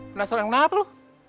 penasaran yang kenapa lo